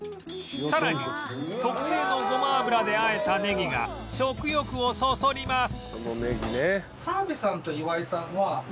さらに特製のごま油であえたネギが食欲をそそります